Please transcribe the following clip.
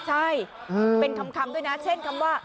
ใช่เป็นคำด้วยนะเช่นคำว่า